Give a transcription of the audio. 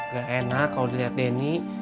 gak enak kalo diliat denny